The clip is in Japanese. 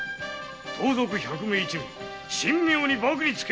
盗賊百目一味神妙に縛につけ！